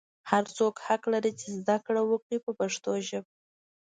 هر څوک حق لري چې زده کړه وکړي په پښتو ژبه.